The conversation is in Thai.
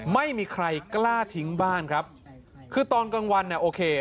ไม่มีใครกล้าทิ้งบ้านครับคือตอนกลางวันเนี่ยโอเค